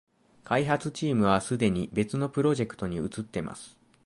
開発チームはすでに別のプロジェクトに移ってます